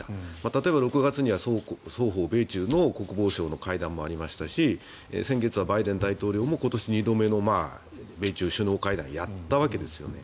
例えば６月には米中双方の国防相の会談もありましたし先月はバイデン大統領も今年２度目の米中首脳会談をやったわけですよね。